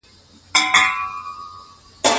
د ځان لپاره د یو منظم او صحي تقسیم اوقات لرل ګټور دي.